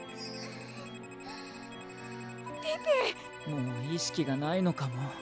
もう意識がないのかも。